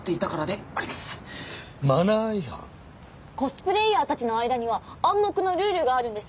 コスプレイヤーたちの間には暗黙のルールがあるんです。